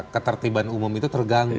ketertiban umum itu terganggu